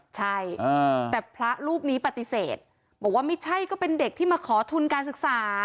ใช่แต่พระรูปนี้ปฏิเสธบอกว่าไม่ใช่ก็เป็นเด็กที่มาขอทุนการศึกษา